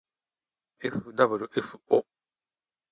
ｆｗｆ ぉ